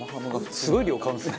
「すごい量買うんですね」